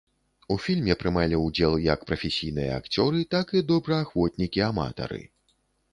У фільме прымалі ўдзел як прафесійныя акцёры, так і добраахвотнікі-аматары.